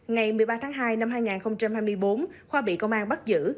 ngày một mươi ba tháng hai năm hai nghìn hai mươi bốn khoa bị công an bắt giữ